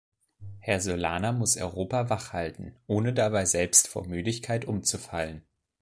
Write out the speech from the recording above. Herr Solana muss Europa wach halten, ohne dabei selbst vor Müdigkeit umzufallen.